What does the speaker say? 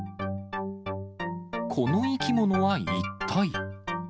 この生き物は一体。